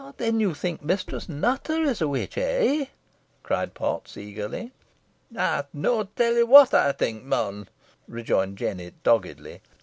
"Then you think Mistress Nutter is a witch, eh?" cried Potts, eagerly. "Ey'st neaw tell ye what ey think, mon," rejoined Jennet, doggedly.